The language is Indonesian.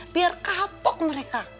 biar kapok mereka